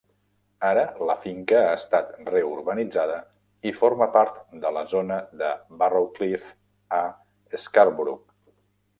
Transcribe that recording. Ara la finca ha estat reurbanitzada i forma part de la zona de Barrowcliff a Scarborough.